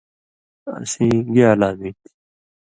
اسیں گی علامی تھی؟